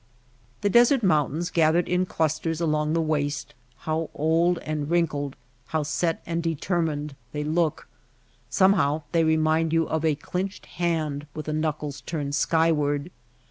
The desert mountains gathered in clusters along the waste, how old and wrinkled, how set and determined they look ! Somehow they remind you of a clinched hand with the knuckles turned skyward.